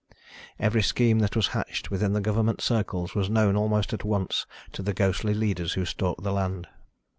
Every scheme that was hatched within the government circles was known almost at once to the ghostly leaders who stalked the land.